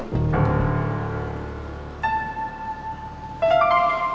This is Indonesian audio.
lan lu balik bareng